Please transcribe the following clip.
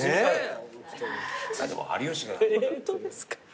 ホントですか？